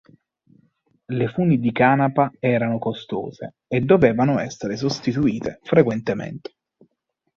Le funi di canapa erano costose e dovevano essere sostituite frequentemente.